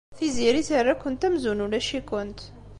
Tiziri terra-kent amzun ulac-ikent.